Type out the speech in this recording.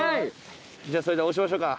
じゃあそれで押しましょか。